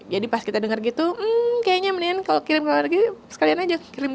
jadi pas kita dengar gitu hmm kayaknya mendingan kalau kirim ke luar negeri sekalian aja kirim ke rumah